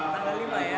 salah lima ya